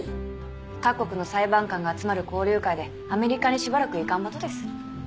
各国の裁判官が集まる交流会でアメリカにしばらく行かんばとです。